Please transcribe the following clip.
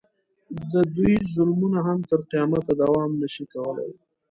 د دوی ظلمونه هم تر قیامته دوام نه شي کولی.